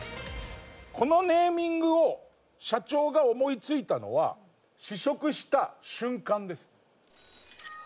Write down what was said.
このネーミングを社長が思いついたのは試食した瞬間です。